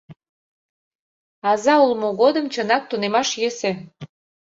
Аза улмо годым, чынак, тунемаш йӧсӧ.